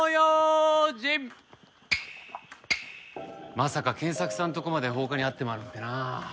まさか賢作さんのとこまで放火に遭ってまうなんてなあ。